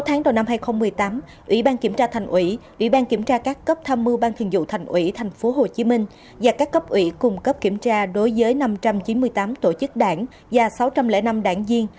sáu tháng đầu năm hai nghìn một mươi tám ủy ban kiểm tra thành ủy ủy ban kiểm tra các cấp tham mưu ban thường vụ thành ủy tp hcm và các cấp ủy cung cấp kiểm tra đối với năm trăm chín mươi tám tổ chức đảng và sáu trăm linh năm đảng viên